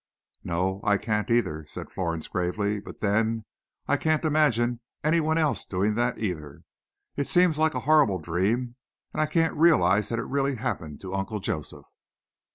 "No, I can't, either," said Florence gravely; "but then, I can't imagine any one else doing that, either. It seems like a horrible dream, and I can't realize that it really happened to Uncle Joseph."